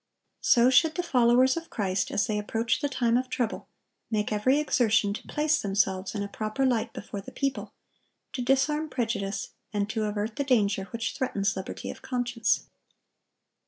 So should the followers of Christ, as they approach the time of trouble, make every exertion to place themselves in a proper light before the people, to disarm prejudice, and to avert the danger which threatens liberty of conscience.